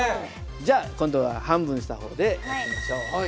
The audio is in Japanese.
じゃあ今度は半分にした方でやってみましょう。